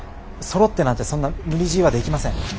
そろってなんてそんな無理強いはできません。